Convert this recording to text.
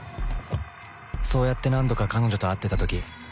そうやって何度か彼女と会ってた時。